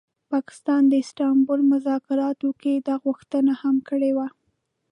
پاکستان د استانبول مذاکراتو کي دا غوښتنه هم کړې وه